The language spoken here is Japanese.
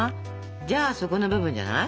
じゃあ底の部分じゃない？